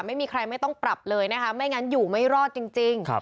ไม่มีใครต้องปรับเลยไม่งั้นอยู่ไม่รอดจริง